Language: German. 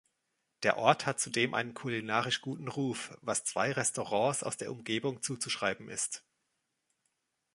Der Ort hat zudem einen kulinarisch guten Ruf, was zwei Restaurants aus der Umgebung zuzuschreiben ist.